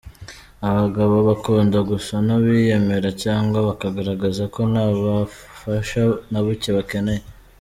Abagabo bakunda gusa n'abiyemera cyangwa bakagaragaza ko nta bufasha na buke bakeneye.